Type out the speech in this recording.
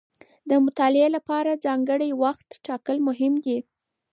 د مطالعې لپاره ځانګړی وخت ټاکل مهم دي.